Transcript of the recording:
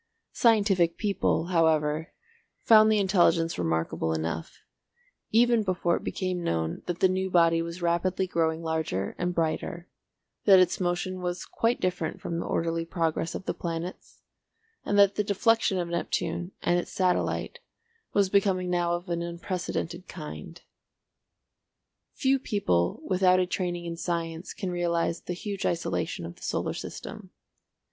Scientific people, however, found the intelligence remarkable enough, even before it became known that the new body was rapidly growing larger and brighter, that its motion was quite different from the orderly progress of the planets, and that the deflection of Neptune and its satellite was becoming now of an unprecedented kind. Few people without a training in science can realise the huge isolation of the solar system.